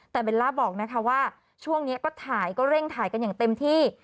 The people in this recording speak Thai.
แต่เบลล่าบอกนะคะว่าช่วงนี้ก็ถ่ายก็เร่งถ่ายกันอย่างเต็มที่